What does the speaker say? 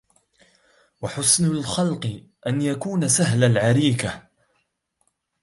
وَحُسْنُ الْخَلْقِ أَنْ يَكُونَ سَهْلَ الْعَرِيكَةِ